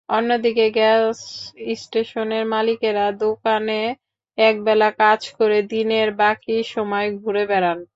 অন্যদিকে গ্যাস স্টেশনের মালিকেরা দোকানে একবেলা কাজ করে দিনের বাকি সময় ঘুরে বেড়ান।